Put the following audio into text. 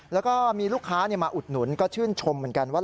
แล้วก็มีลูกค้ามาอุดหนุนก็ชื่นชมเหมือนกันว่า